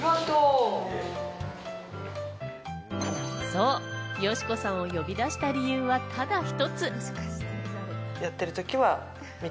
そう、佳子さんを呼び出した理由はただ一つ。